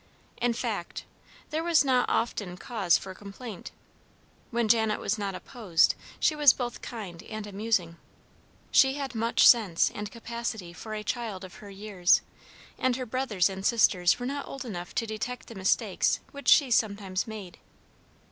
In fact, there was not often cause for complaint. When Janet was not opposed, she was both kind and amusing. She had much sense and capacity for a child of her years, and her brothers and sisters were not old enough to detect the mistakes which she sometimes made.